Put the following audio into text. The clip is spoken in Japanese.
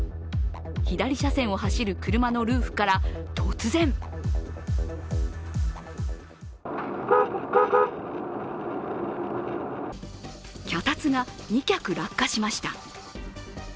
左車線を走る車のルーフから突然脚立が２脚落下しました。